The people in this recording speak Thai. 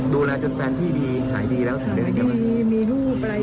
ดูแลจนแฟนพี่ดีหายดีแล้วถึงได้ยังไงมีรูปอะไร